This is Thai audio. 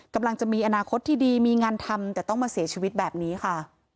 กำลังจะมีอนาคตที่ดีมีงานทำแต่ต้องมาเสียชีวิตแบบนี้ค่ะ